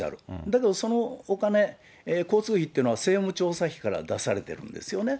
だけどそのお金、交通費っていうのは、政務調査費から出されているんですよね。